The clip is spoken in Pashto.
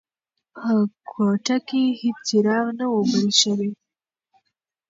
په کوټه کې هیڅ څراغ نه و بل شوی.